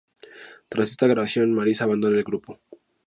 Tras esta grabación Marisa abandona el grupo.